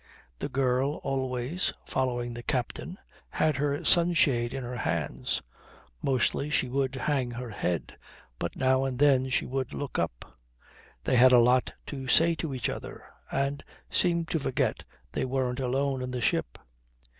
The girl, always following the captain, had her sunshade in her hands. Mostly she would hang her head, but now and then she would look up. They had a lot to say to each other, and seemed to forget they weren't alone in the ship.